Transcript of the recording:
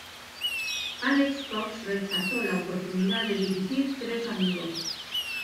Alex Cox rechazó la oportunidad de dirigir "¡Tres Amigos!